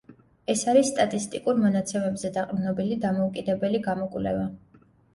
ეს არის სტატისტიკურ მონაცემებზე დაყრდნობილი დამოუკიდებელი გამოკვლევა.